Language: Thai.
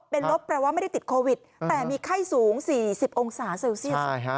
เป็นลบแปลว่าไม่ได้ติดโควิดแต่มีไข้สูง๔๐องศาเซลเซียส